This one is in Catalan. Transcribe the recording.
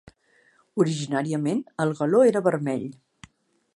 Originàriament el galó era vermell.